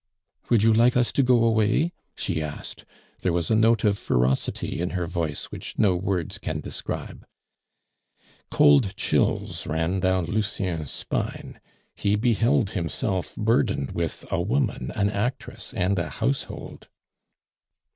"Would you like us to go away?" she asked. There was a note of ferocity in her voice which no words can describe. Cold chills ran down Lucien's spine; he beheld himself burdened with a woman, an actress, and a household.